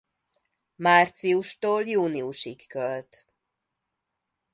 Márciustól júniusig költ.